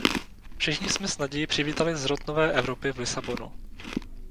Všichni jsme s nadějí přivítali zrod nové Evropy v Lisabonu.